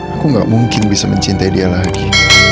aku gak mungkin bisa mencintai dia lagi